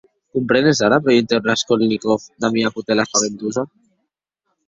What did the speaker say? Comprenes ara?, preguntèc Raskolnikov damb ua potèla espaventosa.